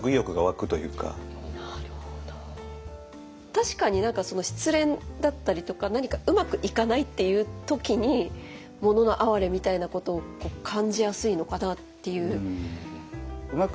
確かに失恋だったりとか何かうまくいかないっていう時に「もののあはれ」みたいなことを感じやすいのかなっていう。